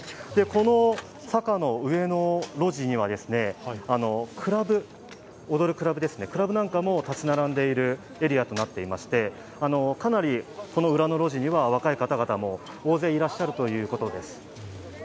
この坂の上の路地にはクラブなんかも建ち並んでいるエリアとなっていましてかなりこの裏の路地には若い方々も大勢いらっしゃるということです。